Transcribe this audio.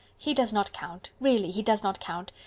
He does not count... really he does not count...